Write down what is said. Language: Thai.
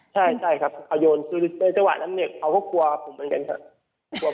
ใช่ครับเขาโยนในเวลานั้นเนี่ยเขาก็กลัวผมเหมือนกันค่ะ